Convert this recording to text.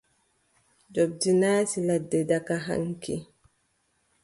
Njoɓndi naati ladde diga haŋki.